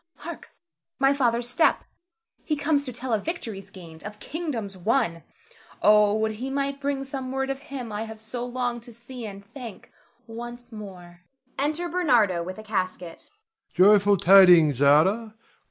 Hark! my father's step! He comes to tell of victories gained, of kingdoms won. Oh, would he might bring some word of him I have so longed to see and thank once more! [Enter Bernardo _with a casket.